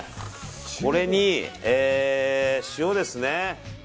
これに、塩ですね。